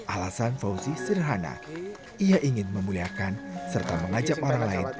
alasan fauzi sederhana ia ingin memuliakan serta mengajak orang lain